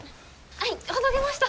はいほどけました。